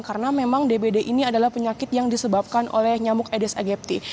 karena memang dbd ini adalah penyakit yang disebabkan oleh nyamuk aedes aegypti